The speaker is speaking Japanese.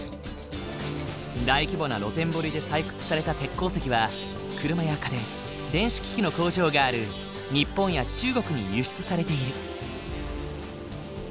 大規模な露天掘りで採掘された鉄鉱石は車や家電電子機器の工場がある日本や中国に輸出されている。